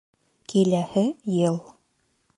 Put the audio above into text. Киләһе йыл